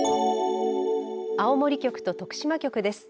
青森局と徳島局です。